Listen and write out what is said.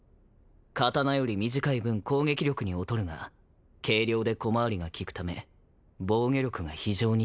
刀より短い分攻撃力に劣るが軽量で小回りが利くため防御力が非常に高い。